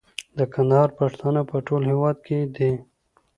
د کندهار پښتانه په ټول هيواد کي دي